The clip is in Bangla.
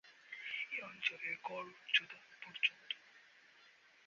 এ অঞ্চলের গড় উচ্চতা পর্যন্ত।